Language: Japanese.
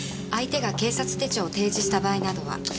相手が警察手帳を提示した場合などは。